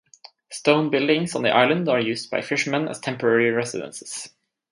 Stone buildings on the island are used by fishermen as temporary residences.